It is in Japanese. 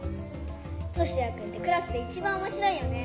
トシヤくんってクラスでいちばんおもしろいよね。